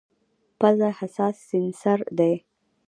پزه حساس سینسر دی.